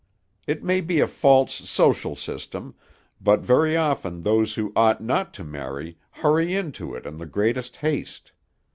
It may be a false social system, but very often those who ought not to marry hurry into it in the greatest haste.